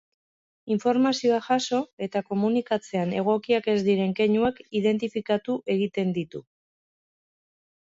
Informazioa jaso eta komunikatzean egokiak ez diren keinuak identifikatu egiten ditu.